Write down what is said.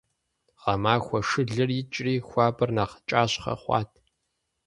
Гъэмахуэ шылэр икӀри, хуабэр нэхъ кӀащхъэ хъуат.